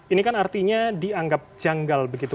ini kan artinya dianggap janggal begitu